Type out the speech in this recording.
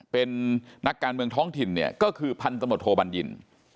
เป็นนักการเมืองท้องถิ่นเนี่ยก็คือพันตำรวจโทบัญญิน